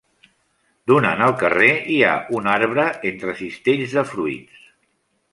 Donant al carrer hi ha un arbre entre cistells de fruits.